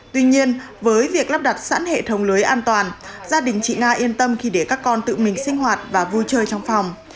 tuy nhiên với việc lắp đặt sẵn hệ thống lưới an toàn gia đình chị na yên tâm khi để các con tự mình sinh hoạt và vui chơi trong phòng